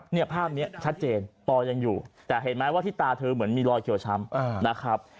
เนี่ยภาพนี้ชัดเจนปอยังอยู่แต่เห็นไหมว่าที่ตาเธอเหมือนมีรอยเขียวช้ำนะครับ